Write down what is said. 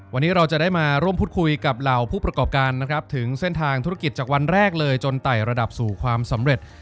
วันนี้เราจะได้มาร่วมพูดคุยกับเหล่าผู้ประกอบการนะครับถึงเส้นทางธุรกิจจากวันแรกเลยจนไต่ระดับสู่ความสำเร็จ